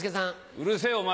うるせぇお前。